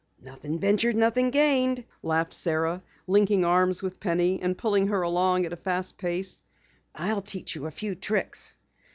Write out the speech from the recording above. "Nothing ventured, nothing gained," laughed Sara, linking arms with Penny and pulling her along at a fast pace. "I'll teach you a few tricks."